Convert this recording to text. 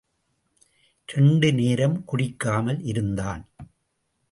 இரண்டு நேரம் குடிக்காமல் இருந்தான்.